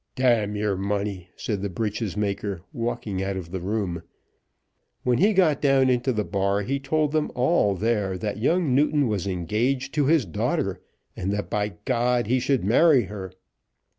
"Damn your money!" said the breeches maker, walking out of the room. When he got down into the bar he told them all there that young Newton was engaged to his daughter, and that, by G , he should marry her.